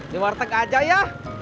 di warteg aja ya